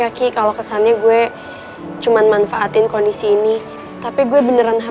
jadi alasannya cuma karena pangeran